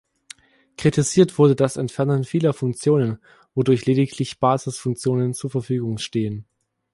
Kritisiert wurde das Entfernen vieler Funktionen, wodurch lediglich Basisfunktionen zur Verfügung stehen.